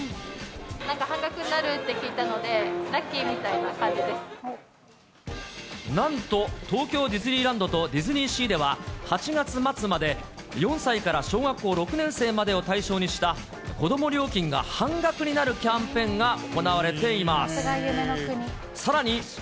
なんか半額になるって聞いたなんと、東京ディズニーランドとディズニーシーでは８月末まで、４歳から小学校６年生までを対象にした子ども料金が半額になるキャンペーンが行われています。